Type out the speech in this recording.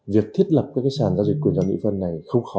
việc thiết lập các sàn giao dịch của nhà mỹ vân này không khó